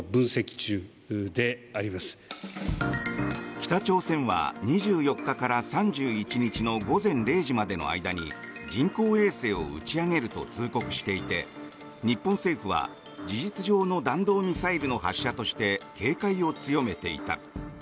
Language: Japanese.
北朝鮮は２４日から３１日の午前０時までの間に人工衛星を打ち上げると通告していて日本政府は事実上の弾道ミサイルの発射として警戒を強めていた。